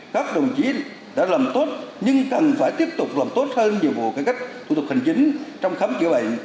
các đồng chí đã làm tốt nhưng cần phải tiếp tục làm tốt hơn nhiệm vụ cải cách thủ tục hành chính trong khám chữa bệnh